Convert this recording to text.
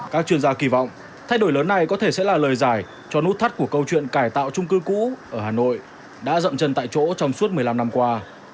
các chuyên gia kỳ vọng thay đổi lớn này có thể sẽ là lời giải cho nút thắt của câu chuyện cải tạo trung cư cũ ở hà nội đã dậm chân tại chỗ trong suốt một mươi năm năm qua